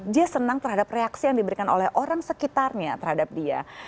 dia senang terhadap reaksi yang diberikan oleh orang sekitarnya terhadap dia